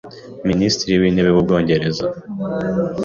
Minisitiri w’intebe w’Ubwongereza